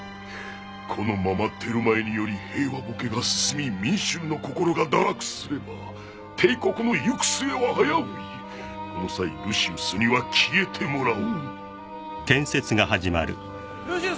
このままテルマエにより平和ボケが進み民衆の心が堕落すれば帝国の行く末は危ういこの際ルシウスには消えてもらおうルシウス